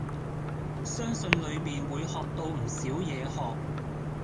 相信裡面會學到唔少嘢學。